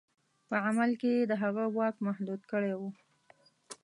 په عمل کې یې د هغه واک محدود کړی وو.